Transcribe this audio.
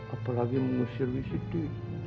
apalagi mengusir bisiti